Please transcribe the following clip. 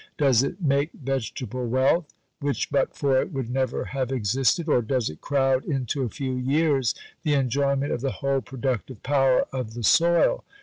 Does it make vegetable wealth, which but for it would never have existed, or does it crowd into a few years the enjoyment of the whole productive power of the soil?"